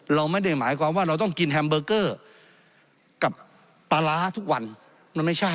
เราไม่ได้หมายความว่าเราต้องกินแฮมเบอร์เกอร์กับปลาร้าทุกวันมันไม่ใช่